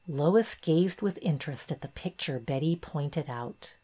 Lois gazed with interest at the picture Betty pointed out.